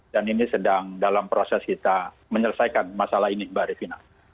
dan ini sedang dalam proses kita menyelesaikan masalah ini mbak rifana